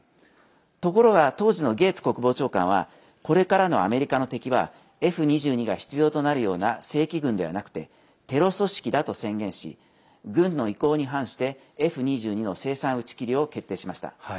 ところが当時のゲーツ国防長官はこれからのアメリカの敵はＦ２２が必要となるような正規軍ではなくてテロ組織だと宣言し軍の意向に反して、Ｆ２２の生産打ち切りを決定しました。